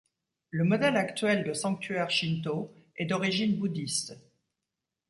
Le modèle actuel de sanctuaire shinto est d'origine bouddhiste.